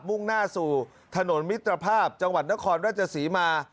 มุ่งหน้าสู่ถนนมิตรภาพจังหวัดนครราชศรีมา